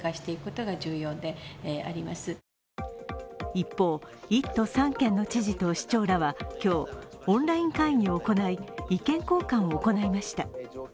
一方、１都３県の知事と市長らは今日、オンライン会議を行い意見交換を行いました。